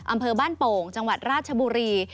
อำเภอบ้านโป่งจังหวัดราชบุรี